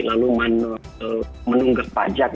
lalu menunggat pajak